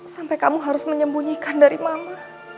sampai kamu harus menyembunyikan dari mama